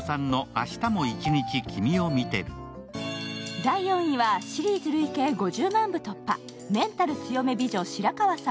第４位はシリーズ累計５０万部突破「メンタル強め美女白川さん